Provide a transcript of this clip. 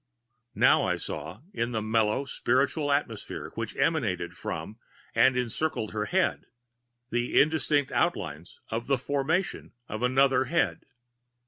Now I saw, in the mellow, spiritual atmosphere which emanated from and encircled her head, the indistinct outlines of the formation of another head.